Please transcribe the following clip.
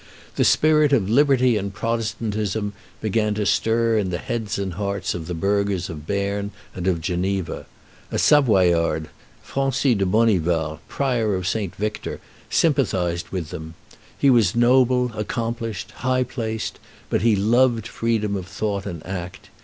the spirit of liberty and protestantism began to stir in the heads and hearts of the burghers of Berne and of Geneva. A Savoyard, Francis de Bonivard, prior of St. Victor, sympathized with them. He was noble, accomplished, high placed, but he loved freedom of thought and act.